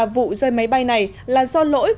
vụ rơi máy bay này là do lỗi